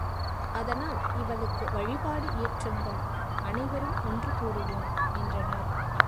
அதனால் இவளுக்கு வழிபாடு இயற்றுங்கள் அனைவரும் ஒன்று கூடுவோம் என்றனர்.